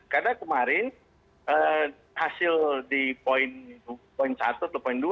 karena kemarin hasil di poin satu atau poin dua